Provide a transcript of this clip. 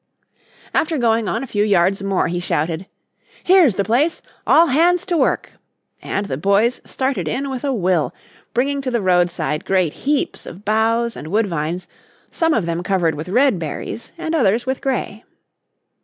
After going on a few yards more he shouted: "Here's the place; all hands to work!" and the boys started in with a will, bringing to the roadside great heaps of boughs and woodvines, some of them covered with red berries and others with grey.